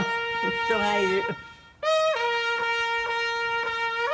人がいる。